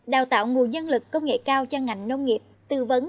đào tạo nguồn dân lực công nghệ cao cho ngành nông nghiệp tư vấn